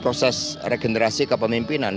proses regenerasi kepemimpinan